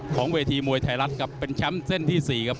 เวทีมวยไทยรัฐครับเป็นแชมป์เส้นที่๔ครับ